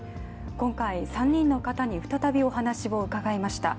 今回３人の方に再びお話を伺いました。